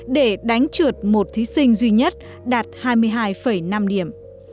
để đánh trượt một thí sinh duy nhất đạt hai mươi hai năm điểm